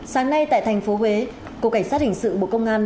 sáng nay tại tp huế cục cảnh sát hình sự bộ công an